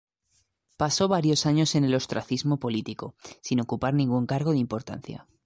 Pasó varios años en el ostracismo político, sin ocupar ningún cargo de importancia.